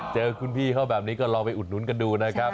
เจอคุณพี่เขาแบบนี้ก็ลองไปอุดหนุนกันดูนะครับ